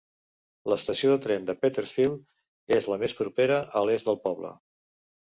L'estació de tren de Petersfield és la més propera, a l'est del poble.